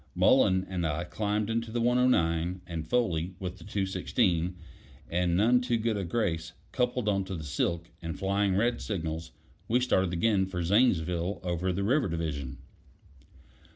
Mullen and I climbed into the 109, and Foley, with the 216, and none too good a grace, coupled on to the silk, and flying red signals, we started again for Zanesville over the river division.